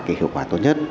cái hiệu quả tốt nhất